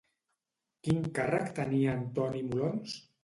Quin càrrec tenia Antoni Molons?